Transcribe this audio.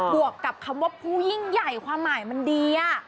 วกกับคำว่าผู้ยิ่งใหญ่ความหมายมันดี